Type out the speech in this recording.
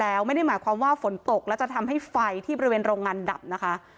แล้วไม่ได้หมายความว่าฝนตกแล้วจะทำให้ไฟที่บริเวณโรงงานดับนะคะ